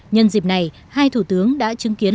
nhân dịp này hai thủ tướng đã chứng kiến